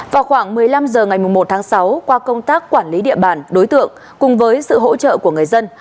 vào khoảng một mươi năm h ngày một tháng sáu qua công tác quản lý địa bàn đối tượng cùng với sự hỗ trợ của người dân